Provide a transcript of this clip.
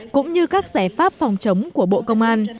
cũng như các giải pháp phòng chống của bộ công an